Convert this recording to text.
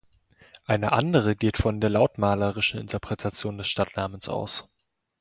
Eine andere geht von der lautmalerischen Interpretation des Stadtnamens aus.